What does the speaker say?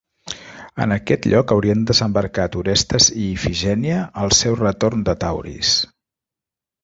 En aquest lloc haurien desembarcat Orestes i Ifigènia al seu retorn de Tauris.